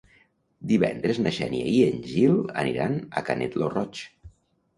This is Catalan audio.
Divendres na Xènia i en Gil aniran a Canet lo Roig.